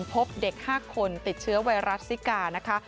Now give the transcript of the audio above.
พบเด็ก๕คนติดเชื้อไวรัสซิกานะคะ